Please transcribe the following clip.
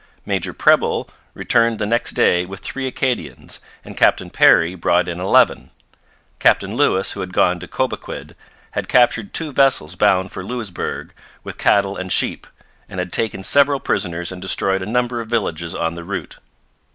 Major Preble returned the next day with three Acadians, and Captain Perry brought in eleven. Captain Lewis, who had gone to Cobequid, had captured two vessels bound for Louisbourg with cattle and sheep, and had taken several prisoners and destroyed a number of villages on the route.